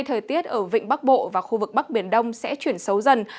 thời tiết ở vịnh bắc bộ và khu vực bắc biển đông sẽ chuyển xấu dần